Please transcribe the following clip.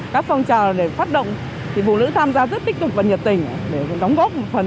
các phòng trào để phát động phụ nữ tham gia rất tích cục và nhiệt tình